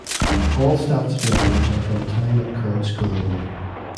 All stats and records are from time at current school only.